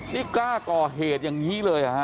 นี่กล้าก่อเหตุอย่างนี้เลยเหรอฮะ